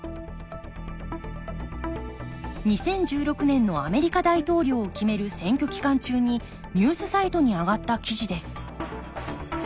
２０１６年のアメリカ大統領を決める選挙期間中にニュースサイトに上がった記事です